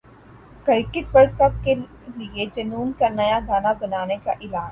cricket world cup کے لیے جنون کا نیا گانا بنانے کا اعلان